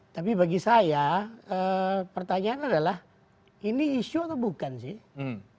tapi bagi saya pertanyaan adalah ini isu atau bukan sih